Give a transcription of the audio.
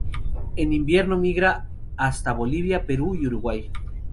En invierno migra hasta Bolivia, Perú, y Uruguay.